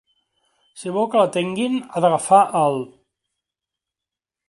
Si vol que l'atenguin, ha d'agafar el.